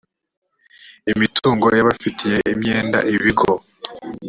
imitungo y abafitiye imyenda ibigo